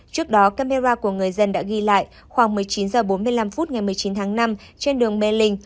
trước đó camera của người dân đã ghi lại khoảng một mươi chín h bốn mươi năm phút ngày một mươi chín tháng năm trên đường mê linh